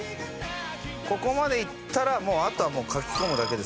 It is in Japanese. ここまでいったらあとはもうかきこむだけですから。